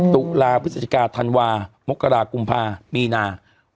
ตุลาพฤศจิกาธันวามกรากุมภาปีนา๖๖